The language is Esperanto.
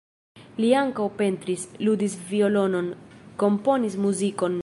Li ankaŭ pentris, ludis violonon, komponis muzikon.